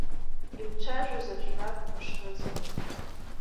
Имцәажәозар жәбап мышкызны.